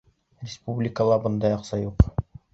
Республикала бындай аҡса юҡ.